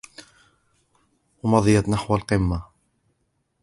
ومضيت نحو القمة